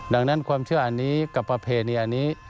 ดังนั้นความเชื่ออันนี้กับประเพณีอันนี้